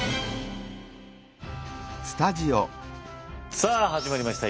さあ始まりました。